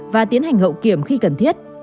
và tiến hành hậu kiểm khi cần thiết